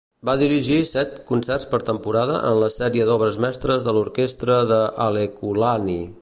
Va dirigir set concerts per temporada en la sèrie d'obres mestres de l'orquestra de Halekulani.